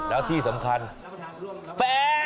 แล้วที่สำคัญแฟน